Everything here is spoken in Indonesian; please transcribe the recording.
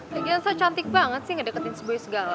lagian so cantik banget sih ngedeketin si boy segala